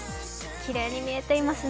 きれいに見えていますね。